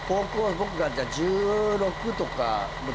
僕が１６とか。